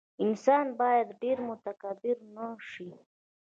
انسان باید ډېر متکبر نه شي.